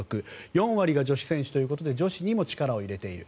４割が女子選手ということで女子にも力を入れている。